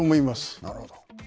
なるほど。